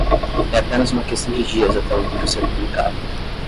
É apenas uma questão de dias até o livro ser publicado.